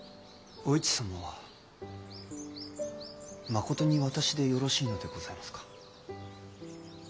お市様はまことに私でよろしいのでございますか？